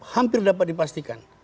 hampir dapat dipastikan